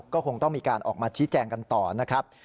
ก็คงต้องมีการออกมาชี้แจงกันต่อนะครับ